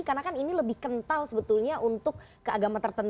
karena kan ini lebih kental sebetulnya untuk keagamaan kita gitu ya kan